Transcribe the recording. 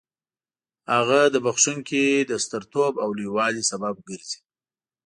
هغه د بخښونکي د سترتوب او لوی والي سبب ګرځي.